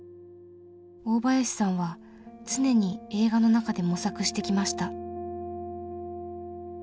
大林さんは常に映画の中で模索してきました。